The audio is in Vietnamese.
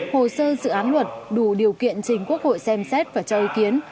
hồ sơ dự án luật đủ điều kiện chính quốc hội xem xét và cho ý kiến